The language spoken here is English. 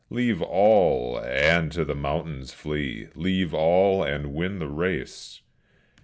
Leave all and to the mountains flee; leave all and win the race!"